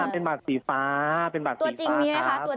เป็นบัตรสีฟ้าเป็นบัตรสีฟ้าตัวจริงมีไหมคะตัวจริง